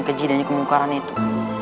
keji dan kemukaran itu